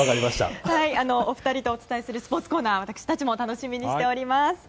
お二人とお伝えするスポーツコーナー私たちも楽しみにしております。